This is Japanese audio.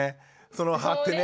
その歯ってね。